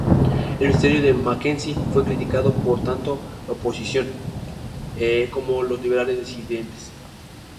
El ministerio de Mackenzie fue criticado tanto por la oposición, como los liberales disidentes.